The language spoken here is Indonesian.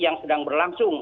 yang sedang berlangsung